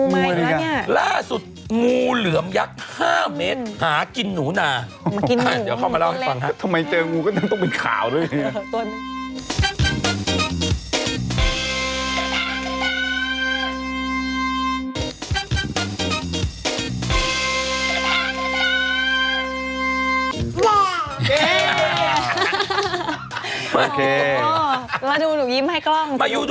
มาดูหนูยิ้มให้กล้อง